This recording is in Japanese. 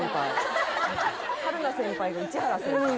春菜先輩の市原先輩